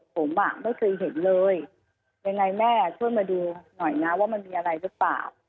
ผมอ่ะไม่เคยเห็นเลยยังไงแม่ช่วยมาดูหน่อยนะว่ามันมีอะไรหรือเปล่า